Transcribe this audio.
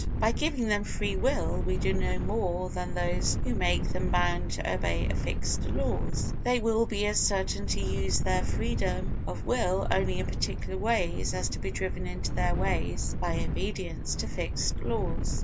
By giving them free will we do no more than those who make them bound to obey fixed laws. They will be as certain to use their freedom of will only in particular ways as to be driven into those ways by obedience to fixed laws.